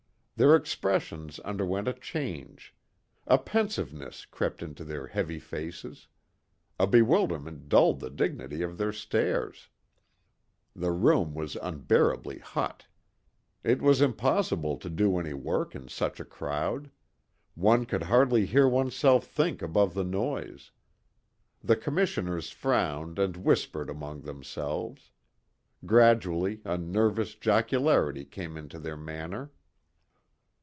Their expressions underwent a change. A pensiveness crept into their heavy faces. A bewilderment dulled the dignity of their stares. The room was unbearably hot. It was impossible to do any work in such a crowd. One could hardly hear oneself think above the noise. The commissioners frowned and whispered among themselves. Gradually a nervous jocularity came into their manner.